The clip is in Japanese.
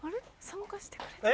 参加してくれてる？